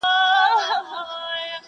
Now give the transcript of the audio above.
له پردي جنګه یې ساته زما د خاوري ،